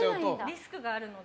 リスクがあるので。